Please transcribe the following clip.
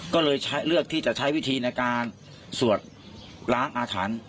ก็เลยเลือกที่จะใช้วิธีในการสวดล้างอาถรรพ์